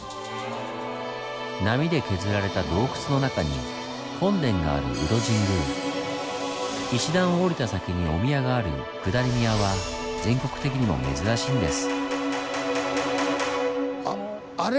波で削られた洞窟の中に本殿がある石段を下りた先にお宮がある「下り宮」は全国的にも珍しいんです。